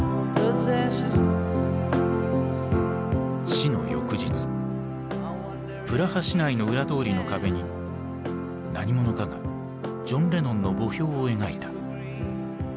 死の翌日プラハ市内の裏通りの壁に何者かがジョン・レノンの墓標を描いた。